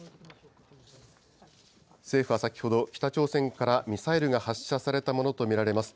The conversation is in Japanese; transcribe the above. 政府は先ほど、北朝鮮からミサイルが発射されたものと見られます。